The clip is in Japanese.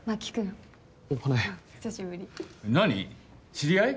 知り合い？